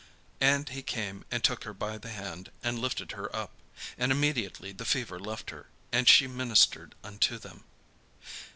And he came and took her by the hand, and lifted her up; and immediately the fever left her, and she ministered unto them.